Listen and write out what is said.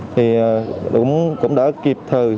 thì cũng đã kịp thời